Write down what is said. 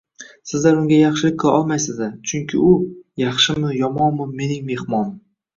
Sizlar unga yomonlik qila olmaysiz, chunki u, yaxshimi, yomonmi, mening mehmonim.